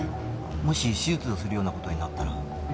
もし手術をするような事になったら。